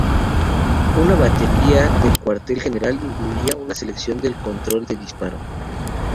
Una batería del Cuartel General incluía una sección de control de disparo.